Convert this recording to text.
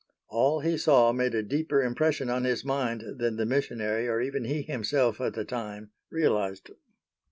All he saw made a deeper impression on his mind than the missionary or even he himself at the time realized.